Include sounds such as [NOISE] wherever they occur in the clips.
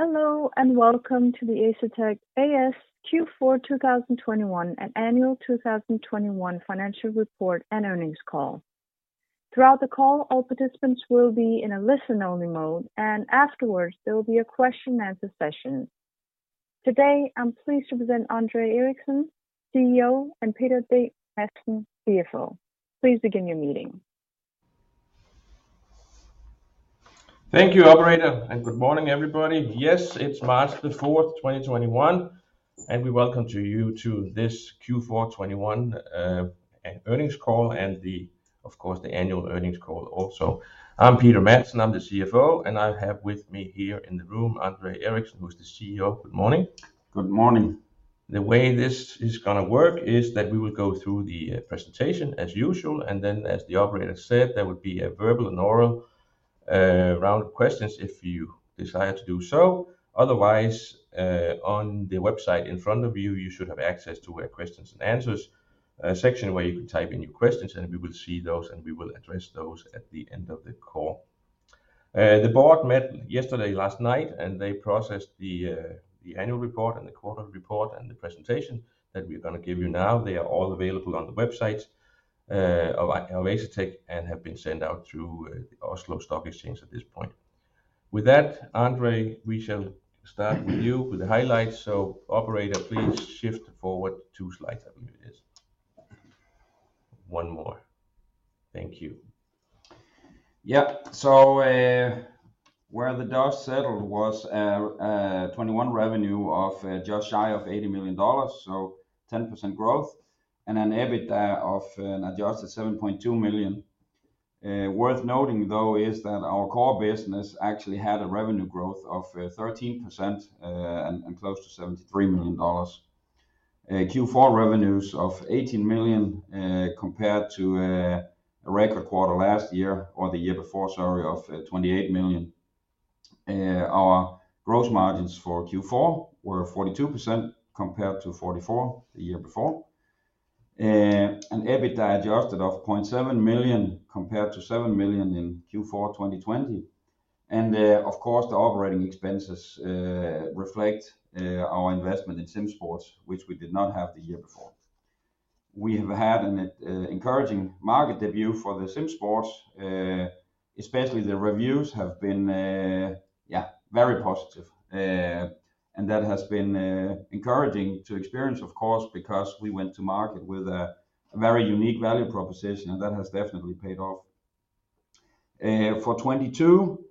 Hello, and welcome to the Asetek A/S Q4 2021 and annual 2021 financial report and earnings call. Throughout the call, all participants will be in a listen-only mode, and afterwards, there will be a question and answer session. Today, I'm pleased to present André Eriksen, CEO, and Peter Madsen, CFO. Please begin your meeting. Thank you, operator, and good morning, everybody. Yes, it's March the 4th, 2021, and we welcome you to this Q4 2021 earnings call and the, of course, the annual earnings call also. I'm Peter Madsen, I'm the CFO, and I have with me here in the room André Eriksen, who's the CEO. Good morning. Good morning. The way this is gonna work is that we will go through the presentation as usual, and then as the operator said, there would be a verbal and oral round of questions if you desire to do so. Otherwise, on the website in front of you should have access to a questions and answers section where you can type in your questions and we will see those, and we will address those at the end of the call. The board met yesterday, last night, and they processed the annual report and the quarter report and the presentation that we're gonna give you now. They are all available on the website of Asetek and have been sent out through the Oslo Stock Exchange at this point. With that, André, we shall start with you with the highlights. Operator, please shift forward two slides, I believe it is. One more. Thank you. Yeah, where the dust settled was 2021 revenue of just shy of $80 million, so 10% growth and an adjusted EBITDA of $7.2 million. Worth noting, though, is that our core business actually had a revenue growth of 13% and close to $73 million. Q4 revenues of $18 million compared to a record quarter last year or the year before, sorry, of $28 million. Our gross margins for Q4 were 42% compared to 44% the year before. An adjusted EBITDA of $0.7 million compared to $7 million in Q4 2020. Of course, the operating expenses reflect our investment in SimSports, which we did not have the year before. We have had an encouraging market debut for SimSports. Especially the reviews have been very positive. That has been encouraging to experience, of course, because we went to market with a very unique value proposition, and that has definitely paid off. For 2022,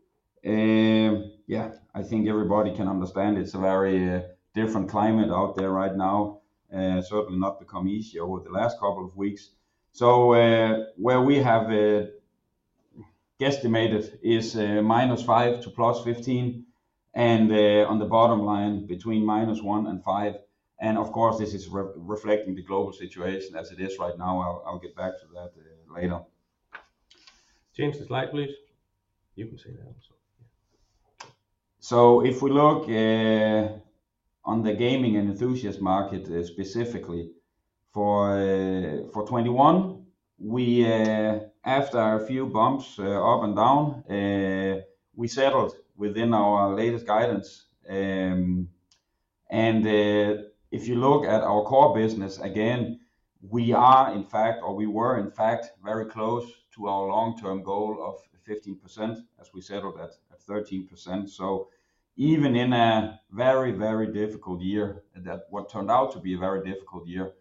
I think everybody can understand it's a very different climate out there right now. Certainly not become easier over the last couple of weeks. Where we have estimated is -5% to +15%, and on the bottom line between -1% and 5%. Of course, this is reflecting the global situation as it is right now. I'll get back to that later. Change the slide, please. You can say that also, yeah. If we look on the Gaming and Enthusiast market specifically for 2021, after a few bumps up and down, we settled within our latest guidance. If you look at our core business, again, we were in fact very close to our long-term goal of 15% as we settled at 13%. Even in a very, very difficult year that what turned out to be a very difficult year,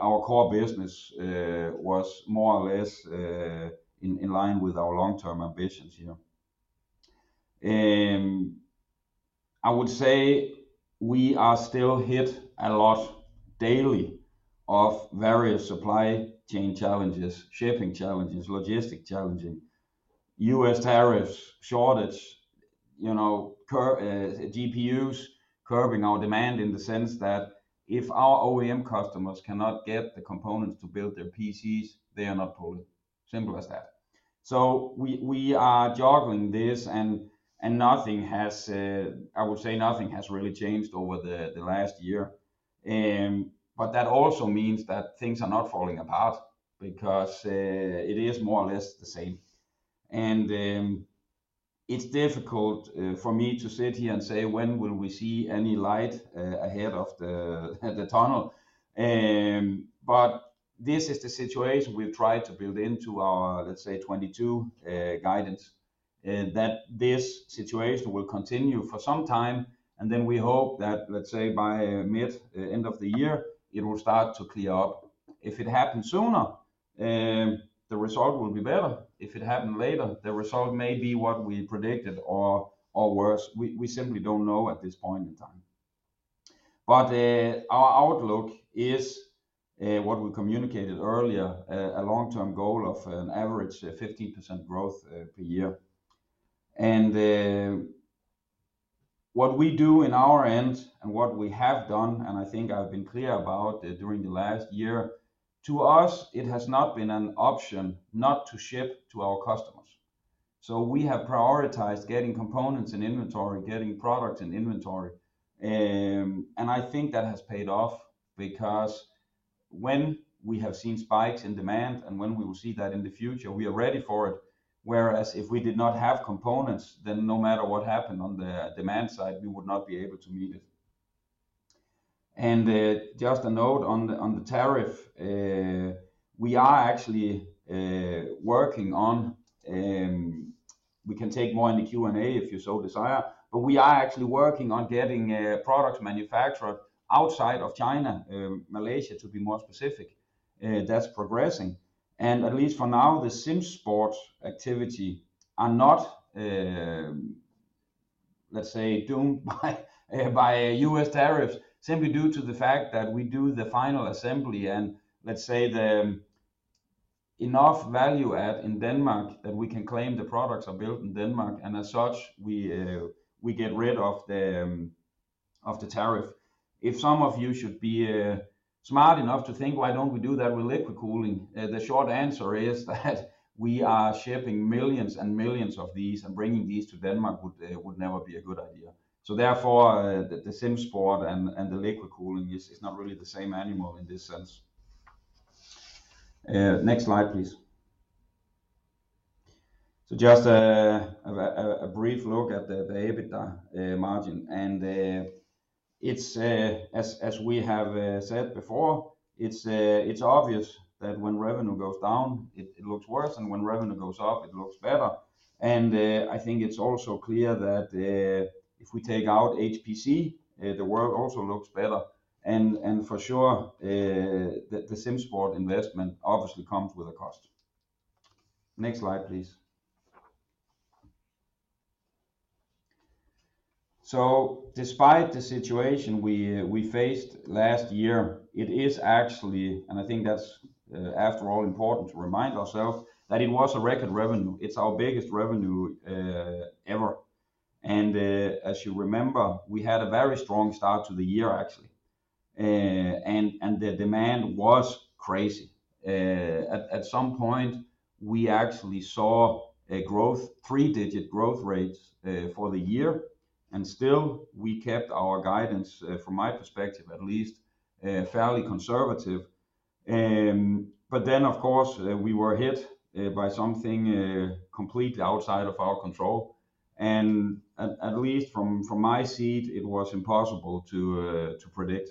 our core business was more or less in line with our long-term ambitions, you know? I would say we are still hit a lot daily by various supply chain challenges, shipping challenges, logistics challenges, US tariffs, shortages, you know, GPUs curbing our demand in the sense that if our OEM customers cannot get the components to build their PCs, they are not pulling. Simple as that. We are juggling this and nothing has really changed over the last year. But that also means that things are not falling apart because it is more or less the same. It's difficult for me to sit here and say, when will we see any light ahead of the tunnel. This is the situation we've tried to build into our, let's say, 2022 guidance, that this situation will continue for some time, and then we hope that, let's say by mid, end of the year, it will start to clear up. If it happens sooner, the result will be better. If it happen later, the result may be what we predicted or worse. We simply don't know at this point in time. Our outlook is what we communicated earlier, a long-term goal of an average 15% growth per year. What we do on our end and what we have done, and I think I've been clear about during the last year, to us it has not been an option not to ship to our customers. We have prioritized getting components and inventory. I think that has paid off because when we have seen spikes in demand and when we will see that in the future, we are ready for it. Whereas if we did not have components, then no matter what happened on the demand side, we would not be able to meet it. Just a note on the tariff. We are actually working on it. We can take more in the Q&A if you so desire, but we are actually working on getting products manufactured outside of China, Malaysia, to be more specific. That's progressing. At least for now, the SimSports activities are not, let's say, doomed by US tariffs simply due to the fact that we do the final assembly and let's say enough value add in Denmark that we can claim the products are built in Denmark, and as such, we get rid of the tariff. If some of you should be smart enough to think, "Why don't we do that with liquid cooling?" The short answer is that we are shipping millions and millions of these, and bringing these to Denmark would never be a good idea. The SimSports and the liquid cooling is not really the same animal in this sense. Next slide, please. Just a brief look at the EBITDA margin, and it's as we have said before, it's obvious that when revenue goes down, it looks worse, and when revenue goes up, it looks better. I think it's also clear that if we take out HPC, the world also looks better. For sure, the SimSports investment obviously comes with a cost. Next slide, please. Despite the situation we faced last year, it is actually, and I think that's after all important to remind ourselves, that it was a record revenue. It's our biggest revenue ever. As you remember, we had a very strong start to the year, actually. The demand was crazy. At some point we actually saw three-digit growth rates for the year, and still we kept our guidance from my perspective at least fairly conservative. Of course we were hit by something completely outside of our control. At least from my seat, it was impossible to predict.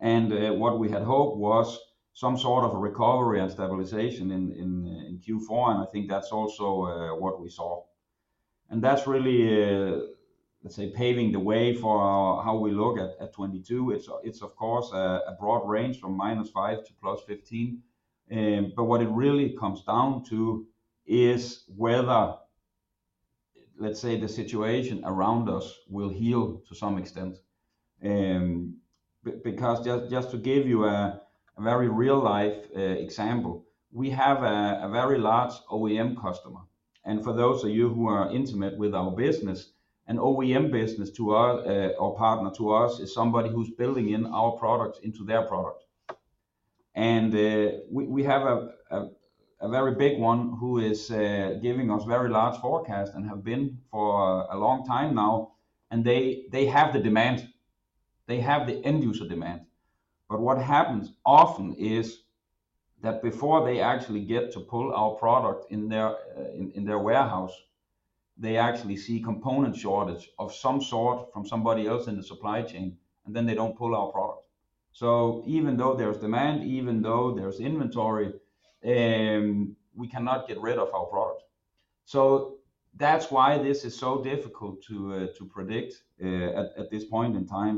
What we had hoped was some sort of a recovery and stabilization in Q4, and I think that's also what we saw. That's really, let's say, paving the way for how we look at 2022. It's of course a broad range from -5% to +15%, but what it really comes down to is whether, let's say, the situation around us will heal to some extent. Because just to give you a very real-life example, we have a very large OEM customer, and for those of you who are intimate with our business, an OEM business to us or partner to us is somebody who's building in our product into their product. We have a very big one who is giving us very large forecast and have been for a long time now, and they have the demand. They have the end user demand. But what happens often is that before they actually get to pull our product in their warehouse, they actually see component shortage of some sort from somebody else in the supply chain, and then they don't pull our product. Even though there's demand, even though there's inventory, we cannot get rid of our product. That's why this is so difficult to predict at this point in time.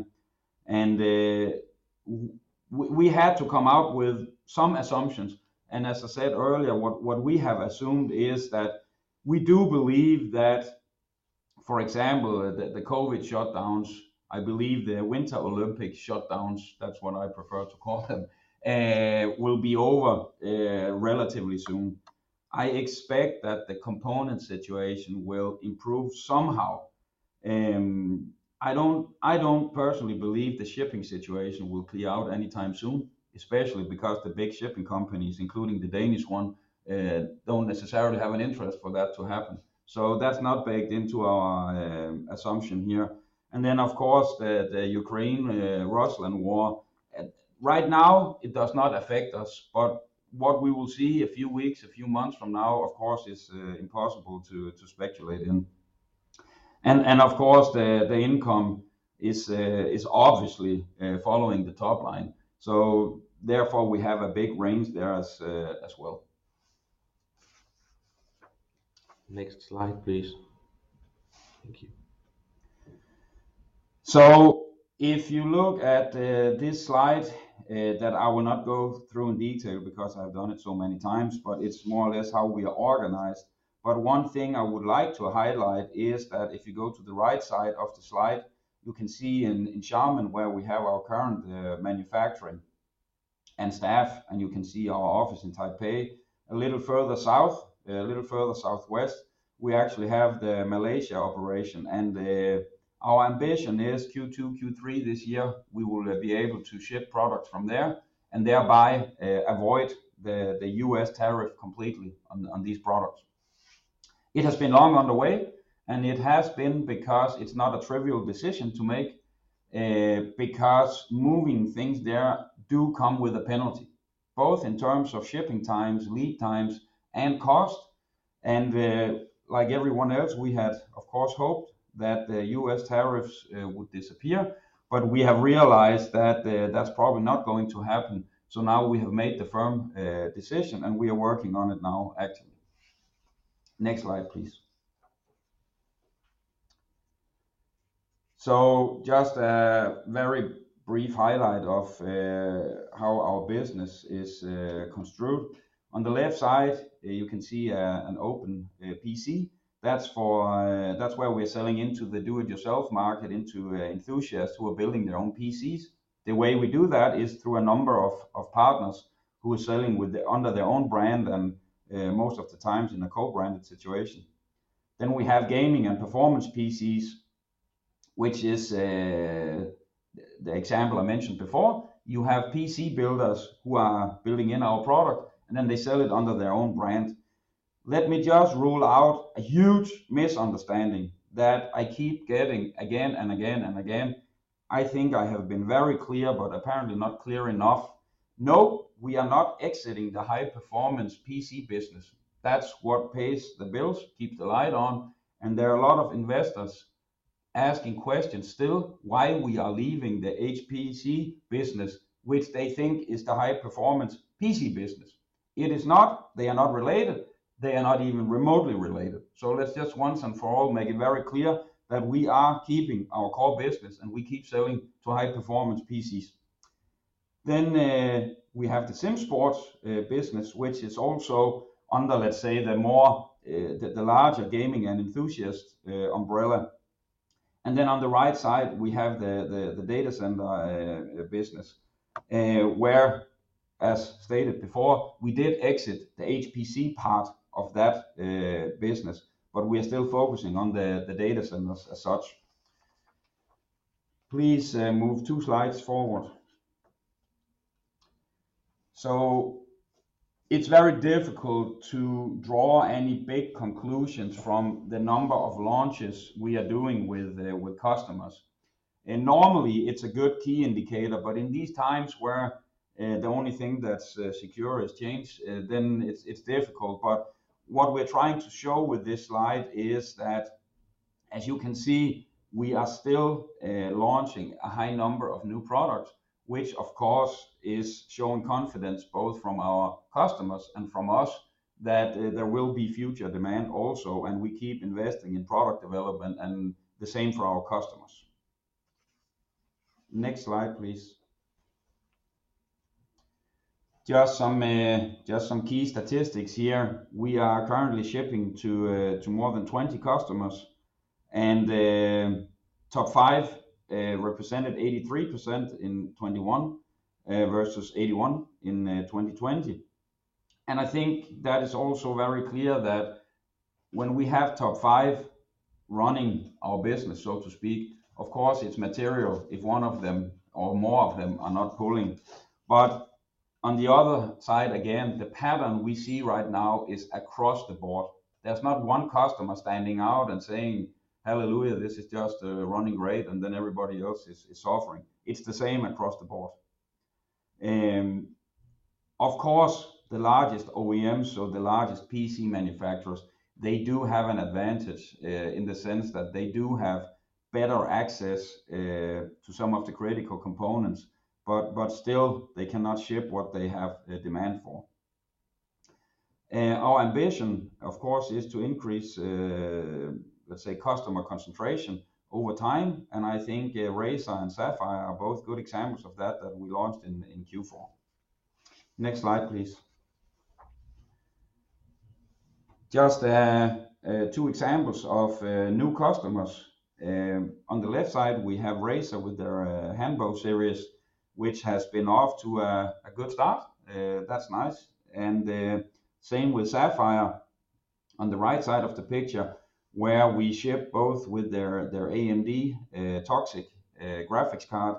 We had to come out with some assumptions, and as I said earlier, what we have assumed is that we do believe that, for example, the COVID shutdowns, I believe the Winter Olympic shutdowns, that's what I prefer to call them, will be over relatively soon. I expect that the component situation will improve somehow. I don't personally believe the shipping situation will clear out anytime soon, especially because the big shipping companies, including the Danish one, don't necessarily have an interest for that to happen. That's not baked into our assumption here. Then, of course, the Ukraine-Russia war. Right now it does not affect us, but what we will see a few weeks, a few months from now, of course, is impossible to speculate in. Of course, the income is obviously following the top line. Therefore we have a big range there as well. Next slide, please. Thank you. If you look at this slide that I will not go through in detail because I've done it so many times, but it's more or less how we are organized. One thing I would like to highlight is that if you go to the right side of the slide, you can see in Xiamen, where we have our current manufacturing and staff, and you can see our office in Taipei. A little further south, a little further southwest, we actually have the Malaysia operation, and our ambition is Q2, Q3 this year. We will be able to ship products from there and thereby avoid the US tariff completely on these products. It has been long on the way, and it has been because it's not a trivial decision to make, because moving things there do come with a penalty, both in terms of shipping times, lead times, and cost. Like everyone else, we had, of course, hoped that the U.S tariffs would disappear, but we have realized that that's probably not going to happen. Now we have made the firm decision, and we are working on it now actively. Next slide, please. Just a very brief highlight of how our business is construed. On the left side, you can see an open PC. That's where we're selling into the do-it-yourself market, into enthusiasts who are building their own PCs. The way we do that is through a number of partners who are selling under their own brand and most of the times in a co-branded situation. We have gaming and performance PCs, which is the example I mentioned before. You have PC builders who are building in our product, and then they sell it under their own brand. Let me just rule out a huge misunderstanding that I keep getting again and again and again. I think I have been very clear, but apparently not clear enough. No, we are not exiting the high-performance PC business. That's what pays the bills, keeps the light on, and there are a lot of investors asking questions still why we are leaving the HPC business, which they think is the high-performance PC business. It is not. They are not related. They are not even remotely related. Let's just once and for all make it very clear that we are keeping our core business, and we keep selling to high-performance PCs. We have the SimSports business, which is also under, let's say, the more, the larger Gaming and Enthusiast umbrella. We have the data center business, where, as stated before, we did exit the HPC part of that business, but we are still focusing on the data centers as such. Please, move two slides forward. It's very difficult to draw any big conclusions from the number of launches we are doing with customers. Normally, it's a good key indicator, but in these times where the only thing that's secure is change, then it's difficult. What we're trying to show with this slide is that, as you can see, we are still launching a high number of new products, which of course is showing confidence both from our customers and from us that there will be future demand also, and we keep investing in product development and the same for our customers. Next slide, please. Just some key statistics here. We are currently shipping to more than 20 customers, and top five represented 83% in 2021 81% in 2020. I think that is also very clear that when we have top five running our business, so to speak, of course it's material if one of them or more of them are not pulling. On the other side, again, the pattern we see right now is across the board. There's not one customer standing out and saying, "Hallelujah, this is just running great," and then everybody else is suffering. It's the same across the board. Of course, the largest OEMs, so the largest PC manufacturers, they do have an advantage in the sense that they do have better access to some of the critical components, but still, they cannot ship what they have a demand for. Our ambition, of course, is to increase, let's say, customer concentration over time, and I think, Razer and Sapphire are both good examples of that that we launched in Q4. Next slide, please. Just, two examples of, new customers. On the left side, we have Razer with their, Hanbo series, which has been off to a good start. That's nice. Same with Sapphire on the right side of the picture, where we ship both with their AMD Toxic graphics card,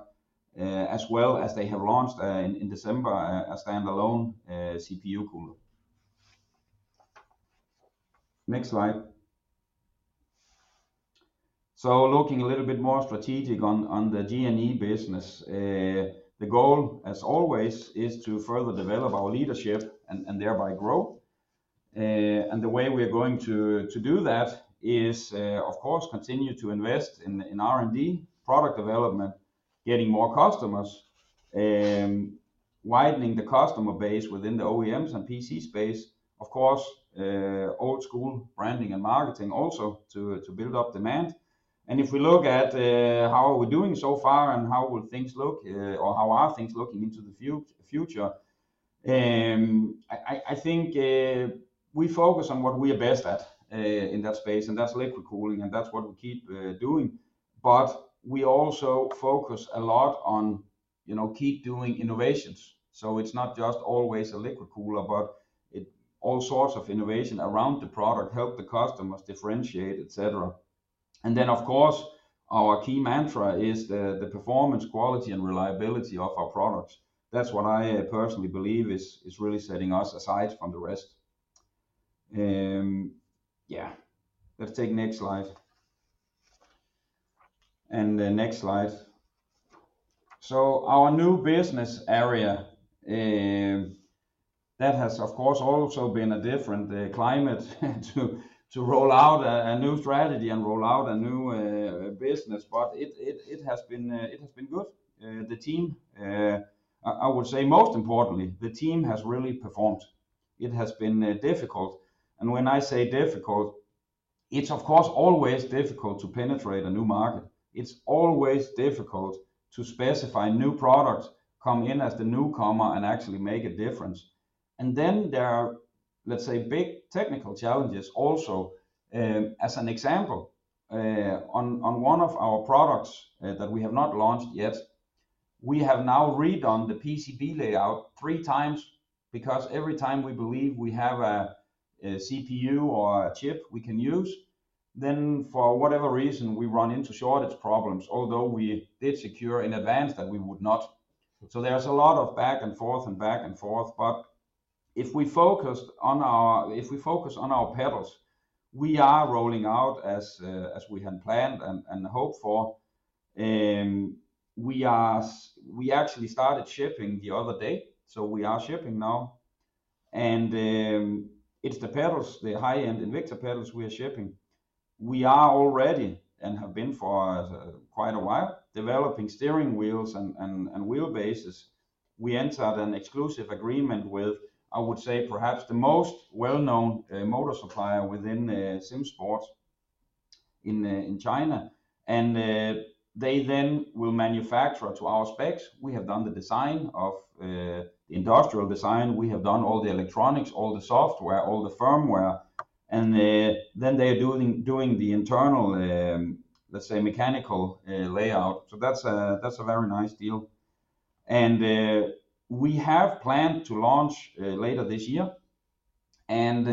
as well as they have launched in December a standalone CPU cooler. Next slide. Looking a little bit more strategic on the G&E business. The goal, as always, is to further develop our leadership and thereby grow. The way we are going to do that is, of course, continue to invest in R&D, product development, getting more customers, widening the customer base within the OEMs and PC space. Of course, old-school branding and marketing also to build up demand. If we look at how are we doing so far and how will things look, or how are things looking into the future, I think we focus on what we are best at, in that space, and that's liquid cooling, and that's what we keep doing. We also focus a lot on, you know, keep doing innovations. It's not just always a liquid cooler, but all sorts of innovation around the product, help the customers differentiate, et cetera. Then of course, our key mantra is the performance, quality and reliability of our products. That's what I personally believe is really setting us apart from the rest. Let's take the next slide. The next slide. Our new business area that has of course also been a different climate to roll out a new strategy and roll out a new business, but it has been good. The team, I would say most importantly, the team has really performed. It has been difficult, and when I say difficult, it's of course always difficult to penetrate a new market. It's always difficult to specify new products, come in as the newcomer and actually make a difference. Then there are, let's say, big technical challenges also. As an example, on one of our products that we have not launched yet, we have now redone the PCB layout three times because every time we believe we have a CPU or a chip we can use, then for whatever reason, we run into shortage problems, although we did secure in advance that we would not. There's a lot of back and forth, but if we focus on our pedals, we are rolling out as we had planned and hoped for. We actually started shipping the other day, so we are shipping now. It's the pedals, the high-end Invicta pedals we are shipping. We are already, and have been for quite a while, developing steering wheels and wheelbases. We entered an exclusive agreement with, I would say, perhaps the most well-known motor supplier within SimSports in China. They then will manufacture to our specs. We have done the design of the industrial design. We have done all the electronics, all the software, all the firmware, and then they're doing the internal, let's say, mechanical layout. So that's a very nice deal. We have planned to launch later this year, and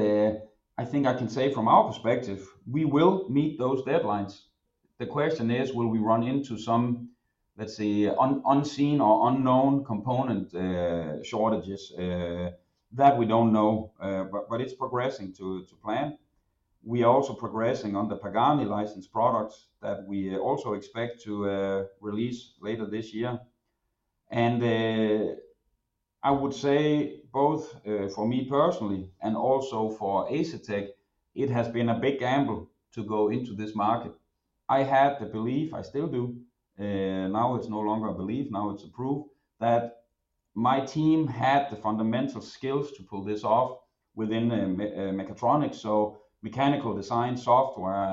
I think I can say from our perspective, we will meet those deadlines. The question is, will we run into some, let's say, unseen or unknown component shortages? That we don't know, but it's progressing to plan. We are also progressing on the Pagani licensed products that we also expect to release later this year. I would say both for me personally and also for Asetek, it has been a big gamble to go into this market. I had the belief, I still do, now it's no longer a belief, now it's a proof, that my team had the fundamental skills to pull this off within the mechatronics, so mechanical design, software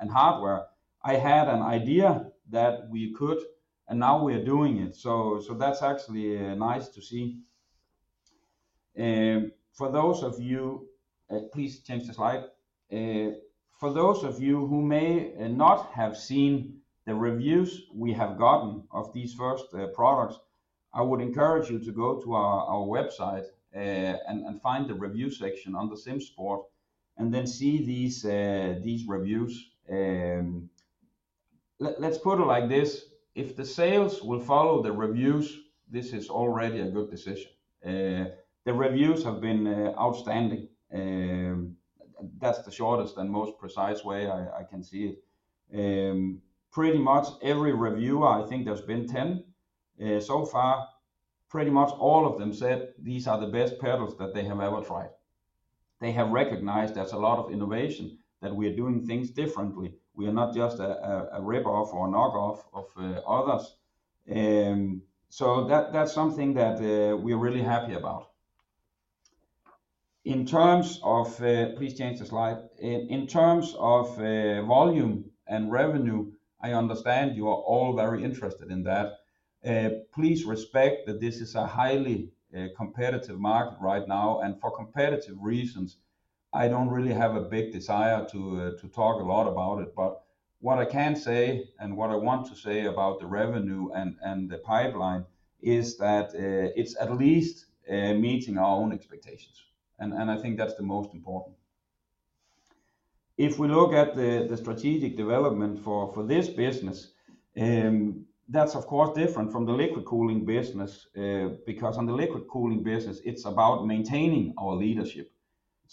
and hardware. I had an idea that we could, and now we're doing it. That's actually nice to see. For those of you, please change the slide. For those of you who may not have seen the reviews we have gotten of these first products, I would encourage you to go to our website and find the review section on the SimSports and then see these reviews. Let's put it like this. If the sales will follow the reviews, this is already a good decision. The reviews have been outstanding. That's the shortest and most precise way I can see it. Pretty much every review, I think there's been 10 so far, pretty much all of them said these are the best pedals that they have ever tried. They have recognized there's a lot of innovation, that we are doing things differently. We are not just a rip-off or a knock-off of others. That's something that we're really happy about. In terms of. Please change the slide. In terms of volume and revenue, I understand you are all very interested in that. Please respect that this is a highly competitive market right now, and for competitive reasons, I don't really have a big desire to talk a lot about it. What I can say and what I want to say about the revenue and the pipeline is that it's at least meeting our own expectations, and I think that's the most important. If we look at the strategic development for this business, that's of course different from the liquid cooling business, because on the liquid cooling business, it's about maintaining our leadership.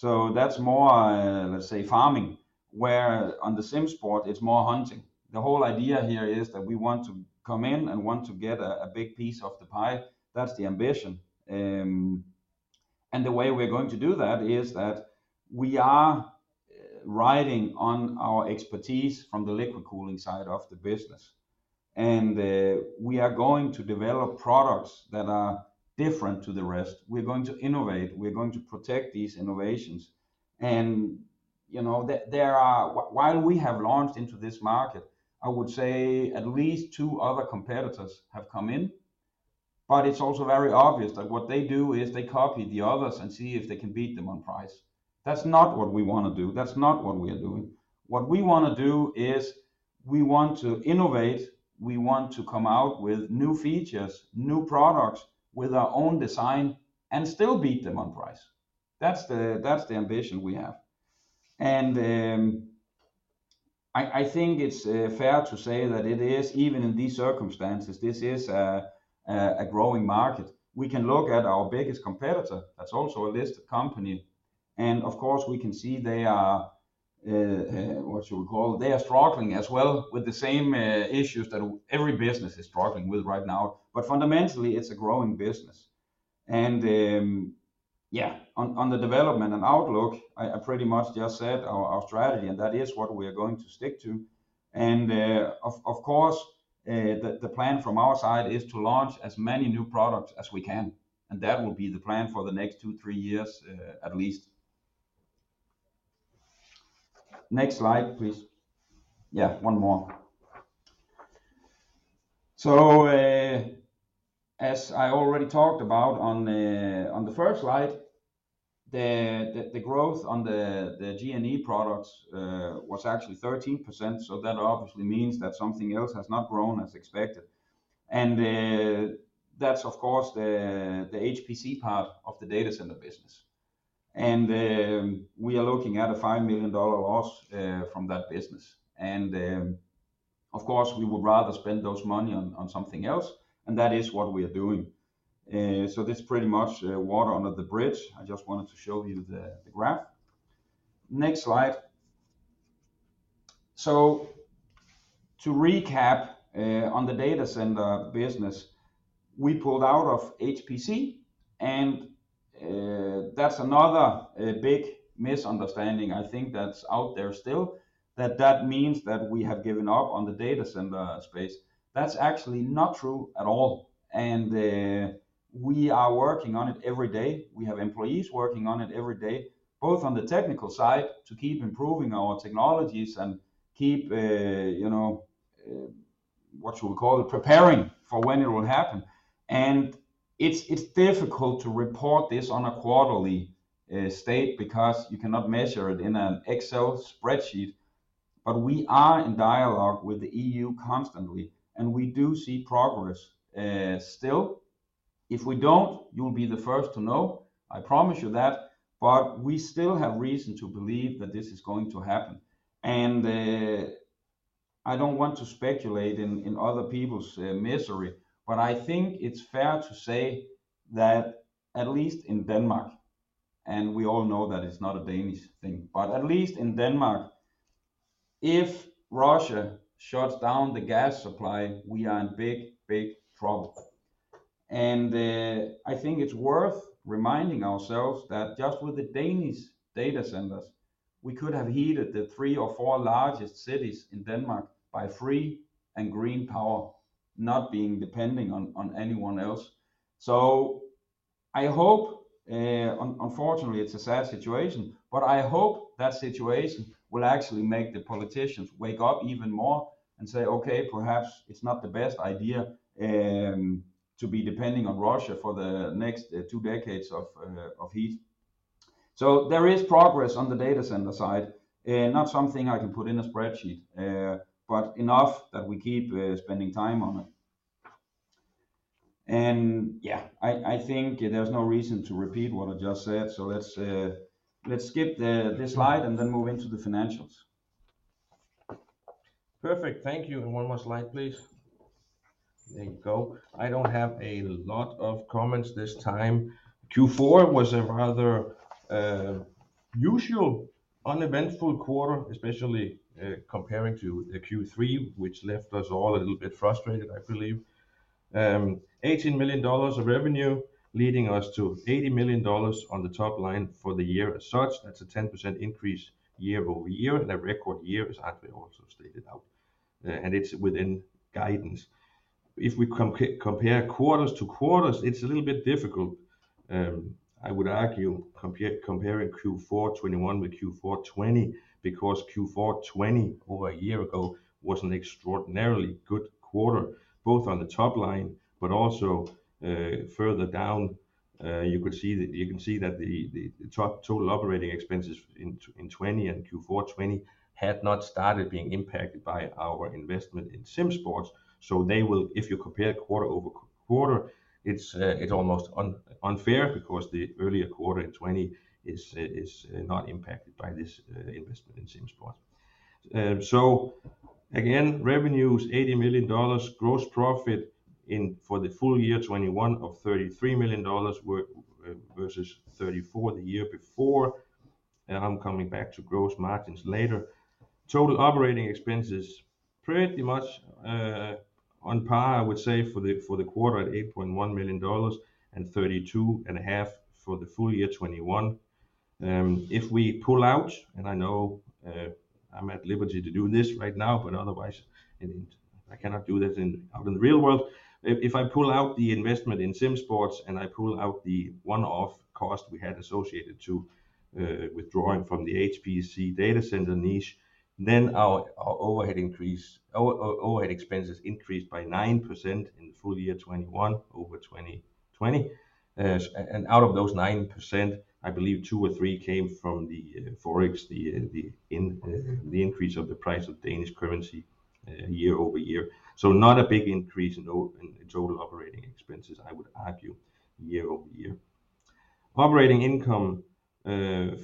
That's more, let's say, farming, where on the SimSports, it's more hunting. The whole idea here is that we want to come in and want to get a big piece of the pie. That's the ambition. The way we're going to do that is that we are riding on our expertise from the liquid cooling side of the business, and we are going to develop products that are different to the rest. We're going to innovate. We're going to protect these innovations. You know, there are. While we have launched into this market, I would say at least two other competitors have come in, but it's also very obvious that what they do is they copy the others and see if they can beat them on price. That's not what we wanna do. That's not what we are doing. What we wanna do is we want to innovate. We want to come out with new features, new products, with our own design and still beat them on price. That's the ambition we have. I think it's fair to say that it is even in these circumstances, this is a growing market. We can look at our biggest competitor that's also a listed company, and of course, we can see they are what you call struggling as well with the same issues that every business is struggling with right now. But fundamentally, it's a growing business. On the development and outlook, I pretty much just said our strategy, and that is what we are going to stick to. Of course, the plan from our side is to launch as many new products as we can, and that will be the plan for the next two, three years, at least. Next slide, please. Yeah, one more. As I already talked about on the first slide, the growth on the G&E products was actually 13%. That obviously means that something else has not grown as expected. That's of course the HPC part of the data center business. We are looking at a $5 million loss from that business. Of course, we would rather spend those money on something else, and that is what we are doing. This is pretty much water under the bridge. I just wanted to show you the graph. Next slide. To recap, on the data center business, we pulled out of HPC, and that's another big misunderstanding I think that's out there still, that means that we have given up on the data center space. That's actually not true at all. We are working on it every day. We have employees working on it every day, both on the technical side to keep improving our technologies and keep you know what you would call it, preparing for when it will happen. It's difficult to report this on a quarterly basis because you cannot measure it in an Excel spreadsheet. We are in dialogue with the EU constantly, and we do see progress still. If we don't, you'll be the first to know, I promise you that. We still have reason to believe that this is going to happen. I don't want to speculate in other people's misery, but I think it's fair to say that at least in Denmark, and we all know that it's not a Danish thing, but at least in Denmark, if Russia shuts down the gas supply, we are in big trouble. I think it's worth reminding ourselves that just with the Danish data centers, we could have heated the three or four largest cities in Denmark by free and green power not being depending on anyone else. I hope unfortunately, it's a sad situation, but I hope that situation will actually make the politicians wake up even more and say, "Okay, perhaps it's not the best idea to be depending on Russia for the next two decades of heat." There is progress on the data center side. Not something I can put in a spreadsheet, but enough that we keep spending time on it. Yeah, I think there's no reason to repeat what I just said. Let's skip this slide and then move into the financials. Perfect. Thank you. One more slide, please. There you go. I don't have a lot of comments this time. Q4 was a rather usual uneventful quarter, especially comparing to the Q3, which left us all a little bit frustrated, I believe. $18 million of revenue leading us to $80 million on the top line for the year as such. That's a 10% increase year-over-year. A record year as André also stated out. It's within guidance. If we compare quarters to quarters, it's a little bit difficult. I would argue comparing Q4 2021 with Q4 2020, because Q4 2020 over a year ago was an extraordinarily good quarter, both on the top line but also, further down, you can see that the total operating expenses in 2020 and Q4 2020 had not started being impacted by our investment in SimSports. If you compare quarter-over-quarter, it's almost unfair because the earlier quarter in 2020 is not impacted by this investment in SimSports. Again, revenue is $80 million. Gross profit for the full-year 2021 of $33 million versus $34 million the year before. I'm coming back to gross margins later. Total operating expenses, pretty much on par, I would say, for the quarter at $8.1 million and $32.5 million for the full-year 2021. If we pull out, and I know I'm at liberty to do this right now, but otherwise I cannot do this out in the real world. If I pull out the investment in SimSports and I pull out the one-off cost we had associated to withdrawing from the HPC data center niche, then our overhead expenses increased by 9% in full-year 2021 over 2020. Out of those 9%, I believe two or three came from the Forex, the increase of the price of Danish currency, year-over-year. Not a big increase in total operating expenses, I would argue, year-over-year. Operating income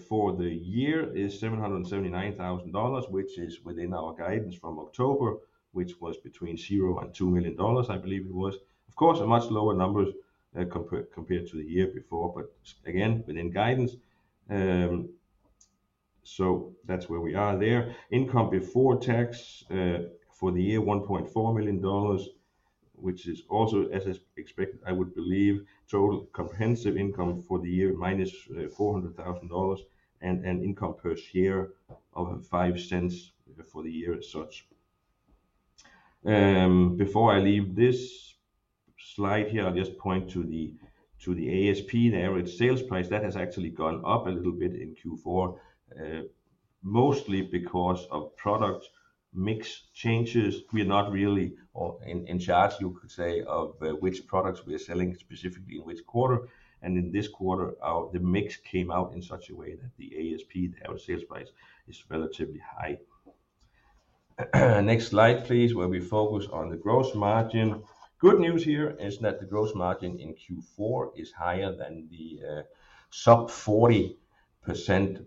for the year is $779,000, which is within our guidance from October, which was between $0 and $2 million, I believe it was. Of course, a much lower number compared to the year before, but again, within guidance. That's where we are there. Income before tax for the year $1.4 million, which is also as expected, I would believe. Total comprehensive income for the year minus $400,000 and an income per share of $0.05 for the year as such. Before I leave this slide here, I'll just point to the ASP, the average sales price. That has actually gone up a little bit in Q4, mostly because of product mix changes. We are not really all in charge, you could say, of which products we are selling specifically in which quarter. In this quarter, the mix came out in such a way that the ASP, the average sales price, is relatively high. Next slide, please, where we focus on the gross margin. Good news here is that the gross margin in Q4 is higher than the sub-40%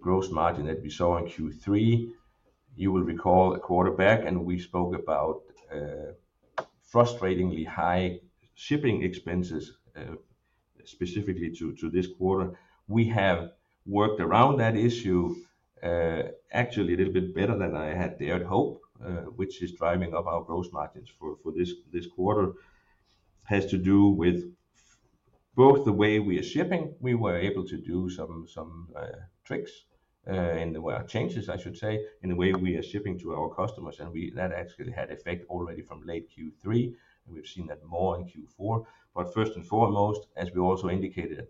gross margin that we saw in Q3. You will recall a quarter back, and we spoke about frustratingly high shipping expenses specifically to this quarter. We have worked around that issue, actually a little bit better than I had dared hope, which is driving up our gross margins for this quarter. Has to do with both the way we are shipping. We were able to do some changes, I should say, in the way we are shipping to our customers, and that actually had effect already from late Q3, and we've seen that more in Q4. But first and foremost, as we also indicated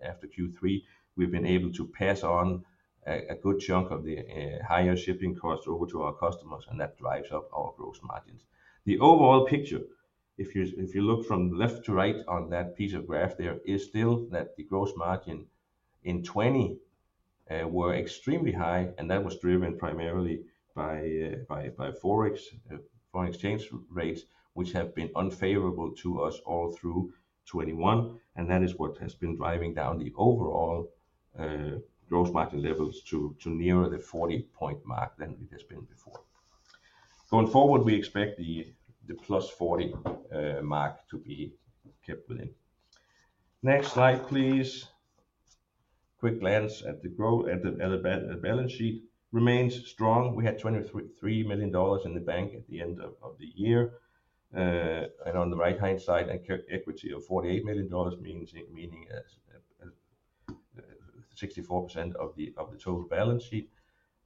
after Q3, we've been able to pass on a good chunk of the higher shipping costs over to our customers, and that drives up our gross margins. The overall picture, if you look from left to right on that piece of graph there, is still that the gross margin in 2020 were extremely high, and that was driven primarily by Forex foreign exchange rates, which have been unfavorable to us all through 2021, and that is what has been driving down the overall gross margin levels to nearer the 40-point mark than it has been before. Going forward, we expect the +40 mark to be kept within. Next slide, please. Quick glance at the balance sheet. Remains strong. We had $23 million in the bank at the end of the year. And on the right-hand side, equity of $48 million, meaning 64% of the total balance sheet.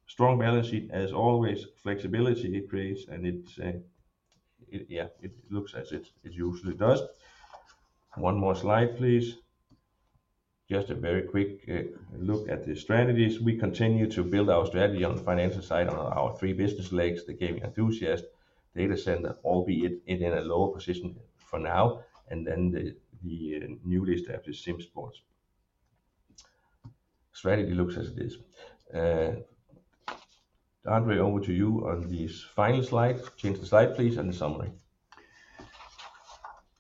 Strong balance sheet as always, flexibility it creates, and it looks as it usually does. One more slide, please. Just a very quick look at the strategies. We continue to build our strategy on the financial side on our three business legs, the Gaming Enthusiast, Data Center, albeit in a lower position for now, and then the newest arm, the SimSports. Strategy looks as it is. André, over to you on these final slides. Change the slide, please, and the summary.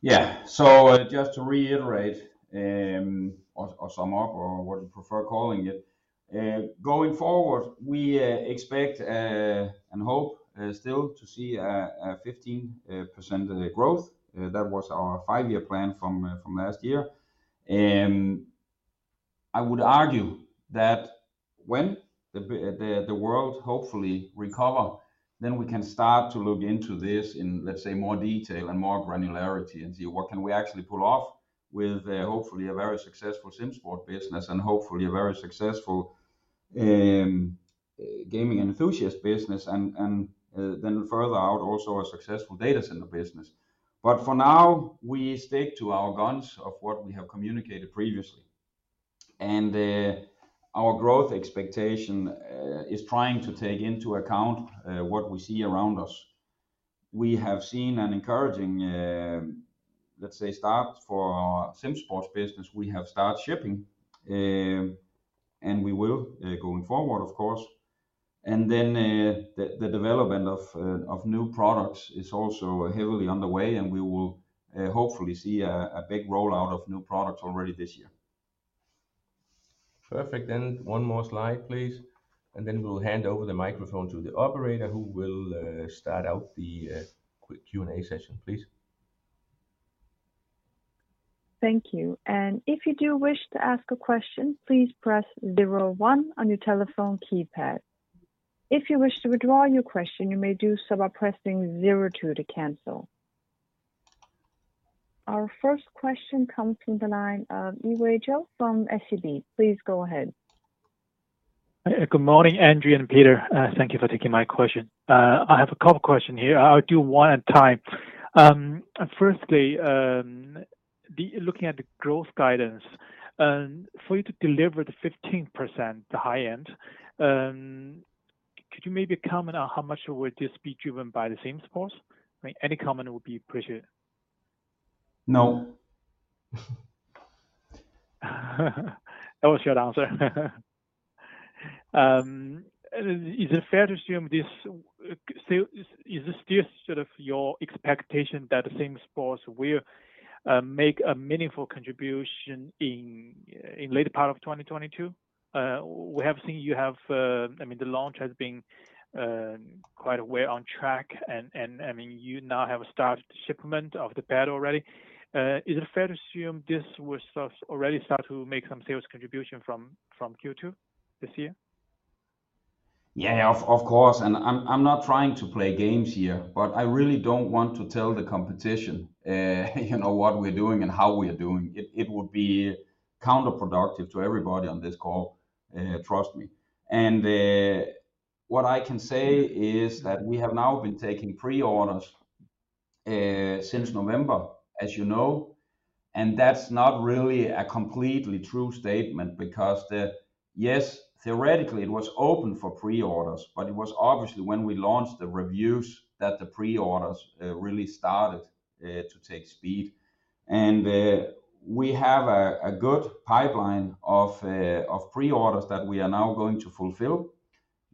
Yeah. Just to reiterate, or sum up or what you prefer calling it, going forward, we expect and hope still to see a 15% growth. That was our five-year plan from last year. I would argue that when the world hopefully recover, then we can start to look into this in, let's say, more detail and more granularity and see what can we actually pull off with, hopefully a very successful SimSports business and hopefully a very successful gaming enthusiast business and then further out, also a successful data center business. For now, we stick to our guns of what we have communicated previously. Our growth expectation is trying to take into account what we see around us. We have seen an encouraging, let's say, start for our SimSports business. We have started shipping, and we will, going forward, of course. Then, the development of new products is also heavily underway, and we will hopefully see a big rollout of new products already this year. Perfect then. One more slide, please. Then we'll hand over the microphone to the operator, who will start out the Q&A session, please. Thank you and if you do wish to ask a question, please press zero one on your telephone keypad, if you wish to withdraw your question you may do so by pressing zero two to cancel. Our first question comes from the line of Yiwei Zhou from SEB. Please go ahead. Good morning, André and Peter. Thank you for taking my question. I have a couple question here. I'll do one at a time. Firstly, looking at the growth guidance, for you to deliver the 15%, the high-end, could you maybe comment on how much would this be driven by the SimSports? I mean, any comment would be appreciated. No. That was your answer. Is this still sort of your expectation that SimSports will make a meaningful contribution in later part of 2022? We have seen you have. I mean, the launch has been quite well on track and I mean, you now have started shipment of the pad already. Is it fair to assume this will sort of already start to make some sales contribution from Q2 this year? Yeah, of course. I'm not trying to play games here, but I really don't want to tell the competition, you know, what we're doing and how we are doing. It would be counterproductive to everybody on this call, trust me. What I can say is that we have now been taking pre-orders since November, as you know, and that's not really a completely true statement because the... Yes, theoretically it was open for pre-orders, but it was obviously when we launched the reviews that the pre-orders really started to take speed. We have a good pipeline of pre-orders that we are now going to fulfill.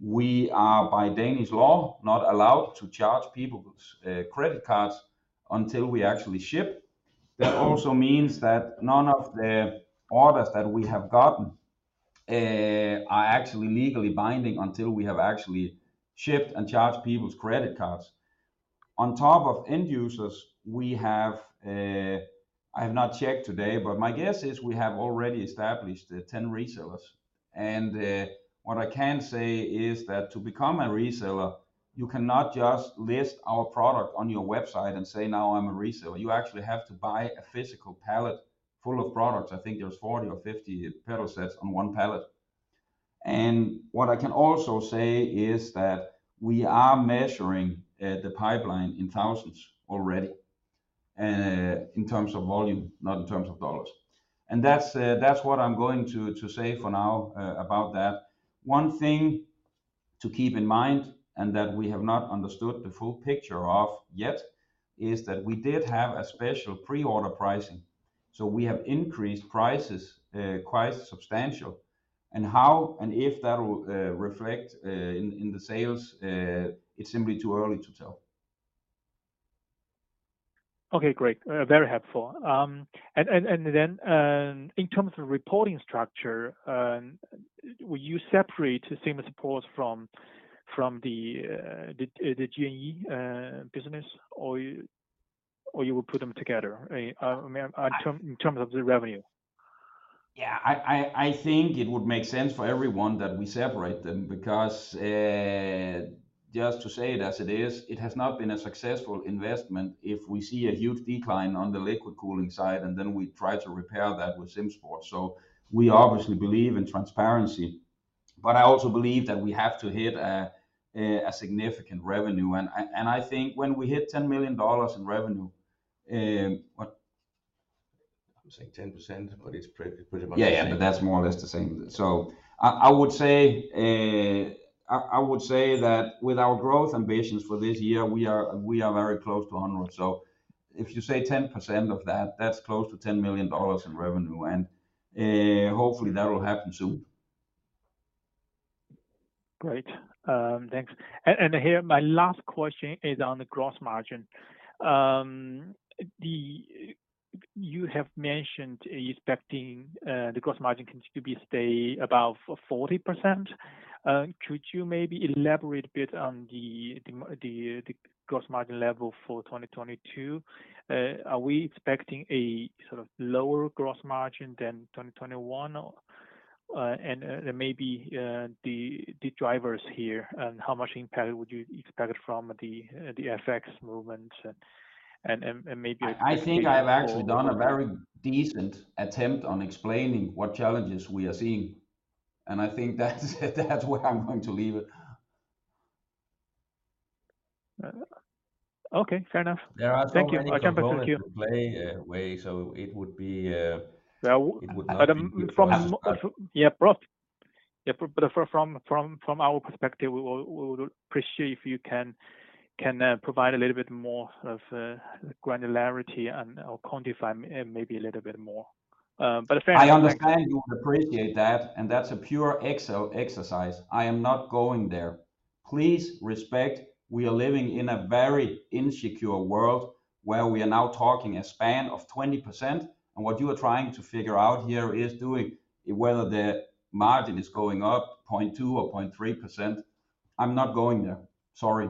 We are, by Danish law, not allowed to charge people's credit cards until we actually ship. That also means that none of the orders that we have gotten are actually legally binding until we have actually shipped and charged people's credit cards. On top of end users, we have, I have not checked today, but my guess is we have already established 10 resellers. What I can say is that to become a reseller, you cannot just list our product on your website and say, "Now I'm a reseller." You actually have to buy a physical pallet full of products. I think there's 40 or 50 pedal sets on one pallet. What I can also say is that we are measuring the pipeline in thousands already, in terms of volume, not in terms of dollars. That's what I'm going to say for now about that. One thing to keep in mind, and that we have not understood the full picture of yet, is that we did have a special pre-order pricing. We have increased prices quite substantial. How and if that will reflect in the sales, it's simply too early to tell. Okay, great. Very helpful. In terms of reporting structure, will you separate SimSports from the G&E business or you will put them together in terms of the revenue? Yeah, I think it would make sense for everyone that we separate them because just to say it as it is, it has not been a successful investment if we see a huge decline on the liquid cooling side and then we try to repair that with SimSports. We obviously believe in transparency, but I also believe that we have to hit a significant revenue. I think when we hit $10 million in revenue, what- I would say 10%, but it's pretty much the same. Yeah, yeah. That's more or less the same. I would say that with our growth ambitions for this year, we are very close to on track. If you say 10% of that's close to $10 million in revenue. Hopefully that will happen soon. Great. Thanks. Here, my last question is on the gross margin. You have mentioned expecting the gross margin continue to stay above 40%. Could you maybe elaborate a bit on the gross margin level for 2022? Are we expecting a sort of lower gross margin than 2021? Or maybe the drivers here, and how much impact would you expect from the FX movement and maybe I think I've actually done a very decent attempt on explaining what challenges we are seeing, and I think that's where I'm going to leave it. Okay. Fair enough [CROSSTALK] From our perspective, we would appreciate if you can provide a little bit more of granularity and or quantify maybe a little bit more. I understand you would appreciate that, and that's a pure Excel exercise. I am not going there. Please respect we are living in a very insecure world where we are now talking a span of 20%, and what you are trying to figure out here is doing whether the margin is going up 0.2% or 0.3%. I'm not going there. Sorry.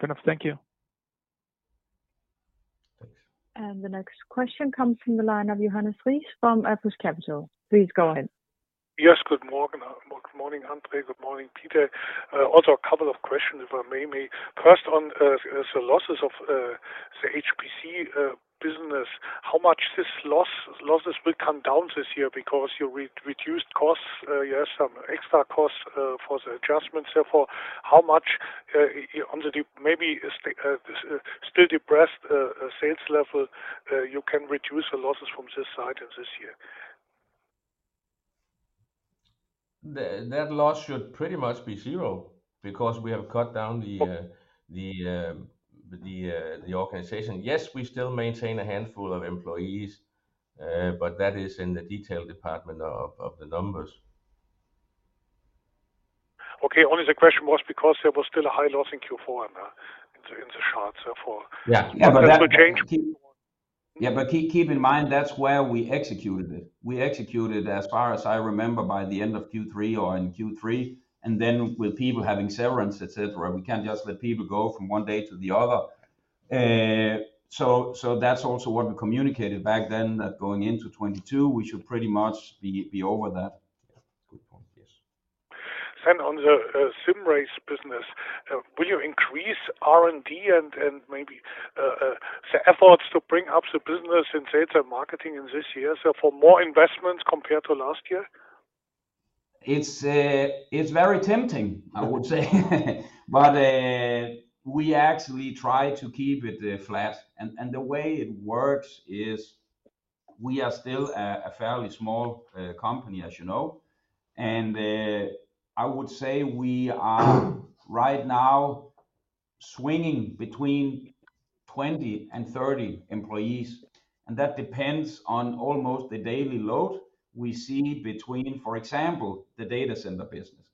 Fair enough. Thank you. The next question comes from the line of Johannes Ries from Apus Capital. Please go ahead. Yes. Good morning. Good morning, André. Good morning, Peter. Also a couple of questions, if I may, maybe. First on the losses of the HPC business. How much the losses will come down this year because you re-reduced costs, you have some extra costs for the adjustments therefore. How much on the still depressed sales level you can reduce the losses from this side and this year? That loss should pretty much be zero because we have cut down the organization. Yes, we still maintain a handful of employees, but that is in the detail department of the numbers. Okay. Only the question was because there was still a high loss in Q4 in the charts, so for- Yeah. That will change in Q1? Yeah, keep in mind, that's where we executed it. We executed, as far as I remember, by the end of Q3 or in Q3, and then with people having severance, et cetera, we can't just let people go from one day to the other. That's also what we communicated back then, that going into 2022 we should pretty much be over that. Yeah. Good point. Yes. On the sim race business, will you increase R&D and maybe the efforts to bring up the business in sales and marketing in this year, so for more investments compared to last year? It's very tempting, I would say. We actually try to keep it flat. The way it works is we are still a fairly small company, as you know, and I would say we are right now swinging between 20-30 employees, and that depends on almost the daily load we see between, for example, the data center business.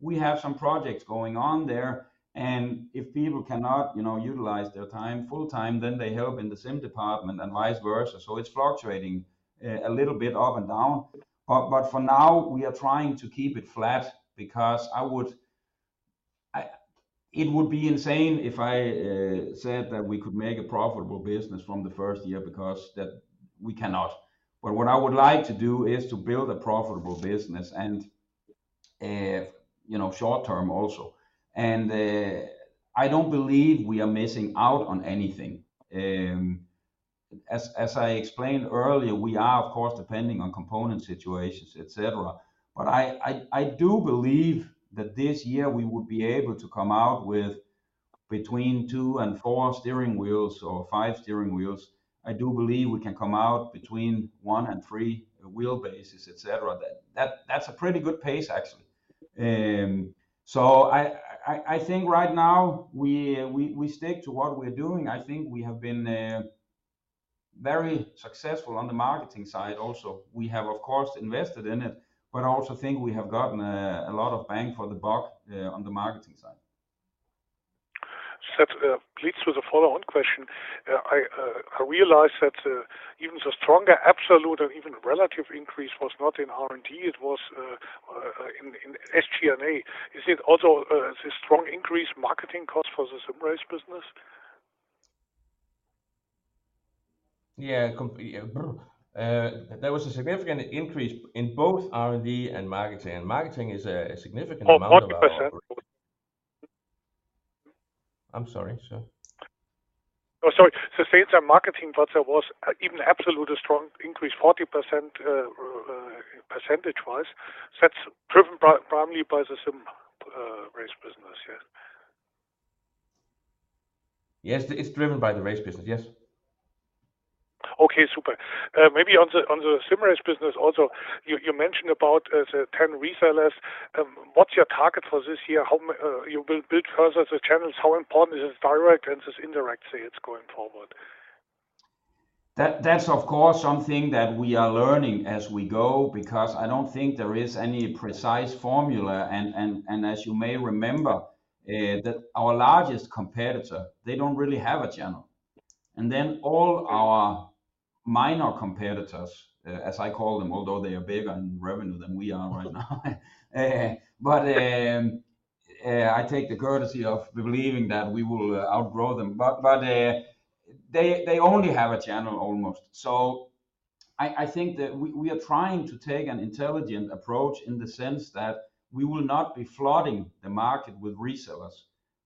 We have some projects going on there, and if people cannot, you know, utilize their time full-time, then they help in the sim department and vice versa. It's fluctuating a little bit up and down. For now, we are trying to keep it flat because it would be insane if I said that we could make a profitable business from the first year because that we cannot. What I would like to do is to build a profitable business and, you know, short-term also. I don't believe we are missing out on anything. As I explained earlier, we are of course depending on component situations, etc. I do believe that this year we would be able to come out with between two and four steering wheels or five steering wheels. I do believe we can come out between one and three wheelbases, etc. That's a pretty good pace, actually. I think right now we stick to what we're doing. I think we have been very successful on the marketing side also. We have, of course, invested in it, but I also think we have gotten a lot of bang for the buck on the marketing side. That leads to the follow-on question. I realize that even the stronger absolute or even relative increase was not in R&D, it was in SG&A. Is it also a strong increase in marketing cost for the sim race business? Yeah, there was a significant increase in both R&D and marketing, and marketing is a significant amount of our- Oh, 40%. I'm sorry, sir? Oh, sorry. The sales and marketing budget was even absolute a strong increase, 40%, percentage-wise. That's driven primarily by the sim race business, yeah? Yes, it's driven by the racing business. Yes. Okay. Super. Maybe on the sim race business also, you mentioned about the ten resellers. What's your target for this year? How you will build further the channels? How important is this direct and this indirect sales going forward? That's of course something that we are learning as we go, because I don't think there is any precise formula. As you may remember, that our largest competitor, they don't really have a channel. Then all our minor competitors, as I call them, although they are bigger in revenue than we are right now, I take the courtesy of believing that we will outgrow them. They only have a channel almost. I think that we are trying to take an intelligent approach in the sense that we will not be flooding the market with resellers,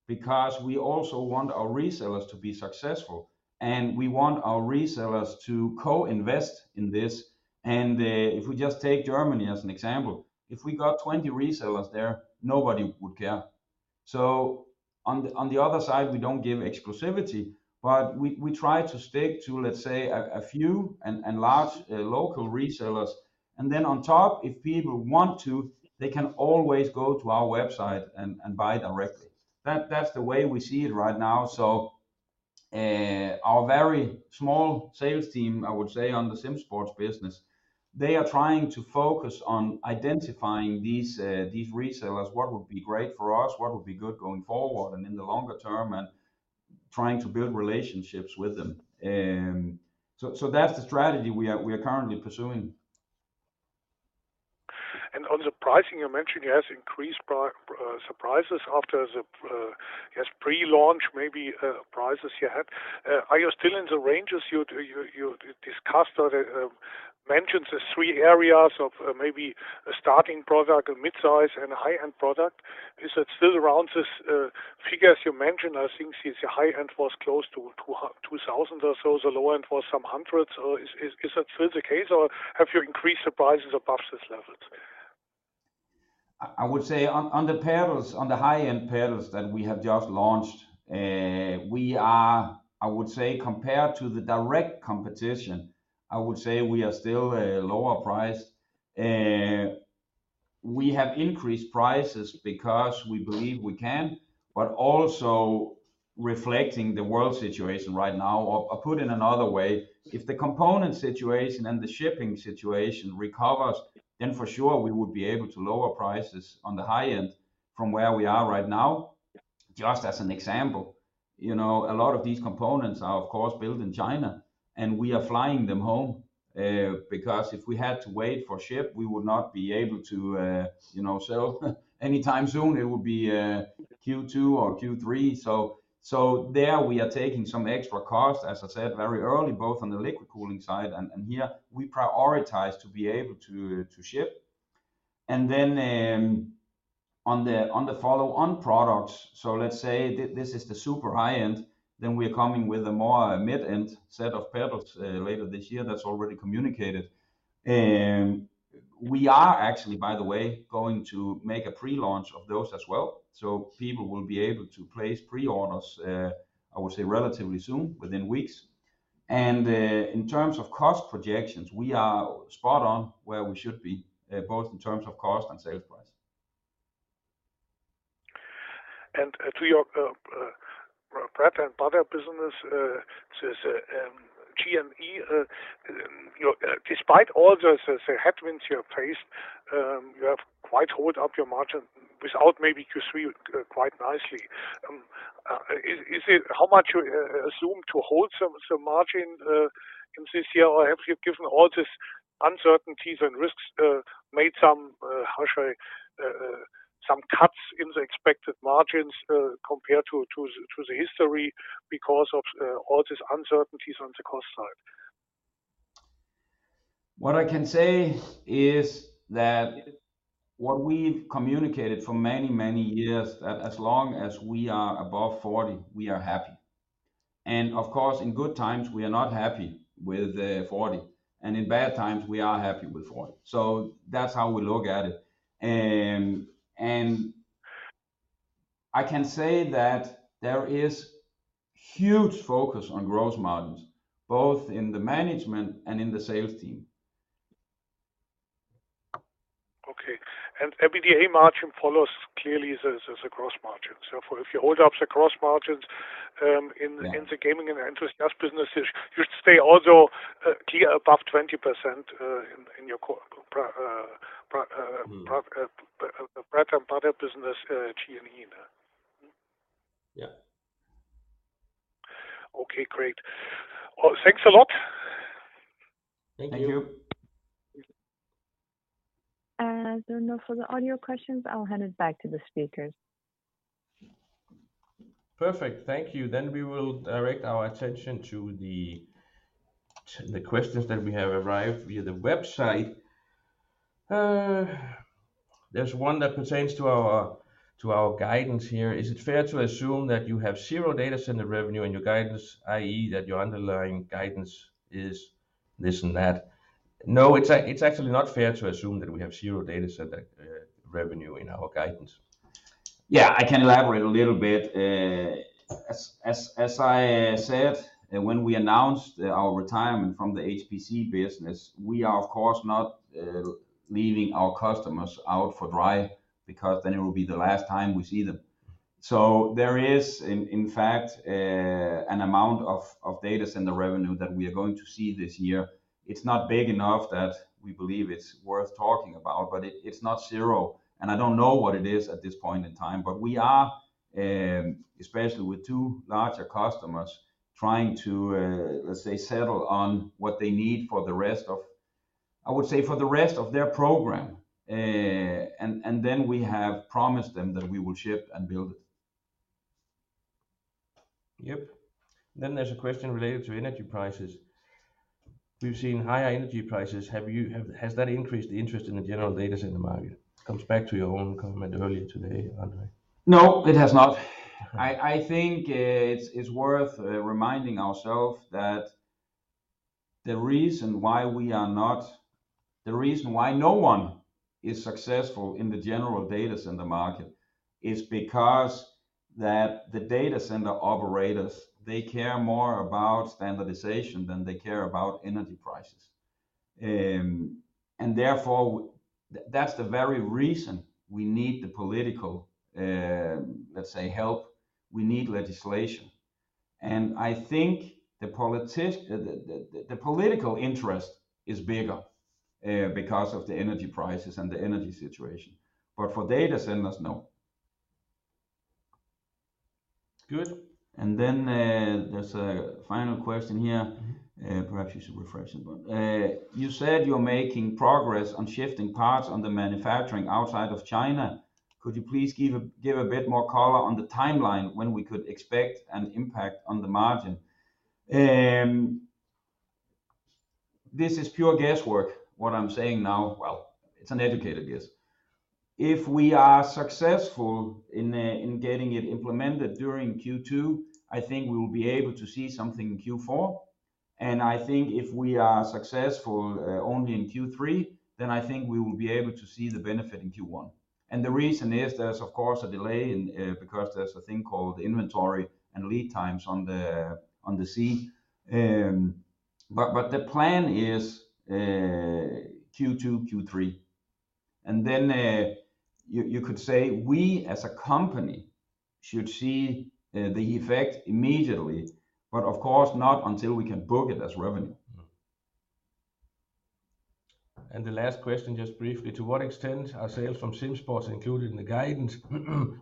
because we also want our resellers to be successful, and we want our resellers to co-invest in this. If we just take Germany as an example, if we got 20 resellers there, nobody would care. On the other side, we don't give exclusivity, but we try to stick to, let's say, a few and large local resellers. Then on top, if people want to, they can always go to our website and buy directly. That's the way we see it right now. Our very small sales team, I would say, on the SimSports business, they are trying to focus on identifying these resellers, what would be great for us, what would be good going forward and in the longer term, and trying to build relationships with them. That's the strategy we are currently pursuing. On the pricing, you mentioned it has increased prices after the yes pre-launch maybe prices you had. Are you still in the ranges you discussed or mentioned the three areas of maybe a starting product, a mid-size and a high-end product? Is it still around this figure as you mentioned? I think it's the high-end was close to 2000 or so. The low end was some hundreds. Is that still the case or have you increased the prices above these levels? I would say on the pedals, on the high-end pedals that we have just launched, we are, I would say, compared to the direct competition. I would say we are still a lower price. We have increased prices because we believe we can, but also reflecting the world situation right now. Put in another way, if the component situation and the shipping situation recovers, then for sure we would be able to lower prices on the high-end from where we are right now. Just as an example, you know, a lot of these components are of course built in China, and we are flying them home, because if we had to wait for shipping, we would not be able to, you know, sell anytime soon. It would be Q2 or Q3. There we are taking some extra cost, as I said very early, both on the liquid cooling side and here we prioritize to be able to ship. On the follow-on products, let's say this is the super high-end, then we are coming with a more mid-end set of products later this year that's already communicated. We are actually, by the way, going to make a pre-launch of those as well, so people will be able to place pre-orders, I would say relatively soon, within weeks. In terms of cost projections, we are spot on where we should be, both in terms of cost and sales price. To your bread and butter business, so it's G&E, you know, despite all the headwinds you have faced, you have quite held up your margin in Q3 quite nicely. Is it how much you assume to hold some margin in this year? Or have you, given all these uncertainties and risks, made some cuts in the expected margins compared to the history because of all these uncertainties on the cost side? What I can say is that what we've communicated for many, many years, that as long as we are above 40%, we are happy. Of course, in good times, we are not happy with 40%, and in bad times we are happy with 40%. That's how we look at it. I can say that there is huge focus on gross margins, both in the management and in the sales team. EBITDA margin follows clearly the gross margin. If you hold up the gross margins, in the Gaming and Enthusiast businesses, you stay also clear above 20% in your comparable Mm Bread and butter business, G&E, no? Yeah. Okay, great. Well, thanks a lot. Thank you. Thank you. There are no further audio questions. I'll hand it back to the speakers. Perfect. Thank you. We will direct our attention to the questions that we have received via the website. There's one that pertains to our guidance here. Is it fair to assume that you have zero data center revenue in your guidance, i.e., that your underlying guidance is this and that? No, it's actually not fair to assume that we have zero data center revenue in our guidance. Yeah, I can elaborate a little bit. As I said, when we announced our retirement from the HPC business, we are of course not leaving our customers out to dry because then it will be the last time we see them. There is in fact an amount of data center revenue that we are going to see this year. It's not big enough that we believe it's worth talking about, but it's not zero. I don't know what it is at this point in time, but we are especially with two larger customers trying to, let's say, settle on what they need, I would say, for the rest of their program. We have promised them that we will ship and build it. Yep. There's a question related to energy prices. We've seen higher energy prices. Has that increased the interest in the general data center market? Comes back to your own comment earlier today, André. No, it has not. I think it's worth reminding ourselves that the reason why no one is successful in the general data center market is because that the data center operators, they care more about standardization than they care about energy prices. And therefore, that's the very reason we need the political, let's say, help. We need legislation. I think the political interest is bigger because of the energy prices and the energy situation. For data centers, no. Good. Then, there's a final question here. Perhaps you should refresh it. You said you're making progress on shifting parts on the manufacturing outside of China. Could you please give a bit more color on the timeline when we could expect an impact on the margin? This is pure guesswork, what I'm saying now. Well, it's an educated guess. If we are successful in getting it implemented during Q2, I think we will be able to see something in Q4. I think if we are successful only in Q3, then I think we will be able to see the benefit in Q1. The reason is there's of course a delay, because there's a thing called inventory and lead times on the sea. The plan is Q2, Q3. You could say we as a company should see the effect immediately, but of course not until we can book it as revenue. The last question, just briefly, to what extent are sales from SimSports included in the guidance?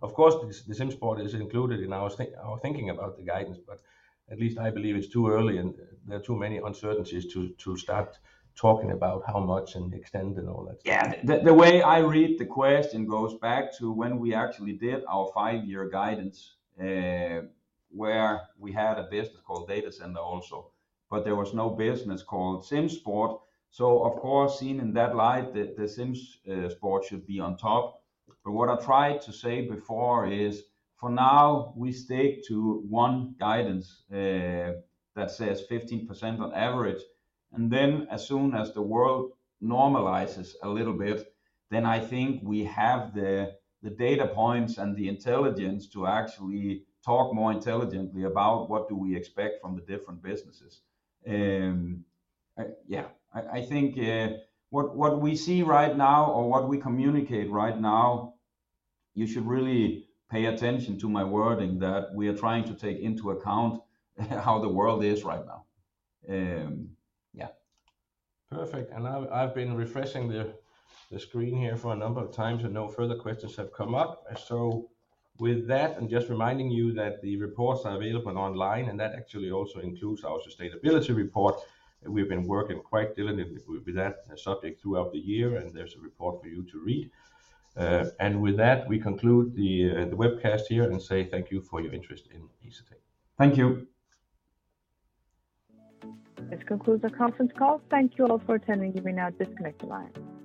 Of course, the SimSports is included in our thinking about the guidance, but at least I believe it's too early and there are too many uncertainties to start talking about how much and extent and all that stuff. The way I read the question goes back to when we actually did our five-year guidance, where we had a business called Data Center also, but there was no business called SimSports. Of course, seen in that light, the SimSports should be on top. What I tried to say before is, for now we stick to one guidance that says 15% on average. As soon as the world normalizes a little bit, I think we have the data points and the intelligence to actually talk more intelligently about what we expect from the different businesses. Yeah, I think what we see right now or what we communicate right now, you should really pay attention to my wording that we are trying to take into account how the world is right now. Yeah. Perfect. I've been refreshing the screen here for a number of times, and no further questions have come up. With that, I'm just reminding you that the reports are available online, and that actually also includes our sustainability report. We've been working quite diligently with that subject throughout the year, and there's a report for you to read. With that, we conclude the webcast here and say thank you for your interest in Asetek. Thank you. This concludes the conference call. Thank you all for attending. You may now disconnect your line.